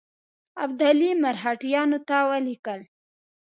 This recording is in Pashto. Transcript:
ابدالي مرهټیانو ته ولیکل.